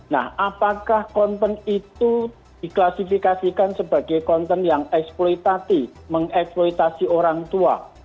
nah apakah konten itu diklasifikasikan sebagai konten yang eksploitasi mengeksploitasi orang tua